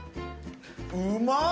うまっ！